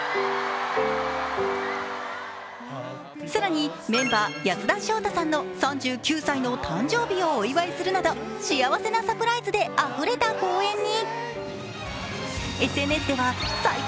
更にメンバー、安田章大さんの３９歳の誕生日をお祝いするなど幸せなサプライズであふれた公演に。